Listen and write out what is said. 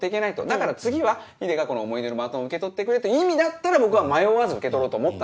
だから次はヒデがこの思い出のバトンを受け取ってくれという意味だったら僕は迷わず受け取ろうと思ったんですよ。